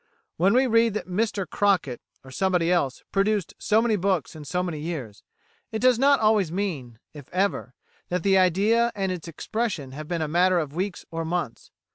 When we read that Mr Crockett, or somebody else, produced so many books in so many years, it does not always mean if ever that the idea and its expression have been a matter of weeks or months.